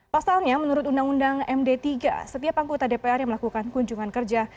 pasalnya menurut undang undang md tiga setiap anggota dpr yang melakukan kunjungan kerja